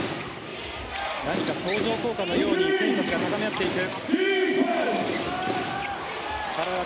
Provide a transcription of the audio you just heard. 何か相乗効果のように選手たちが高め合っていく。